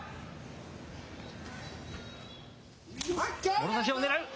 もろ差しをねらう。